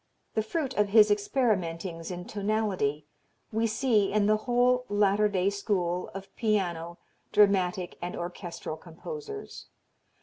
The fruit of his experimentings in tonality we see in the whole latter day school of piano, dramatic and orchestral composers.